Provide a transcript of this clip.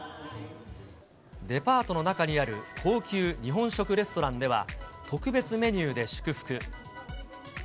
デパートの中にある高級日本食レストランでは、特別メニューで祝福。